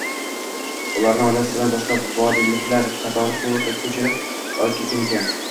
ularni oilasi bilan boshqa vodilliklar qatori ko’chirib, olib ketgan ekan.